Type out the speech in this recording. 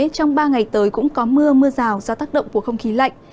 trong ba ngày tới cũng có mưa mưa rào do tác động của không khí lạnh